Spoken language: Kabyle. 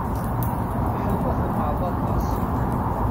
Fiḥel ma tḍemɛeḍ aṭas.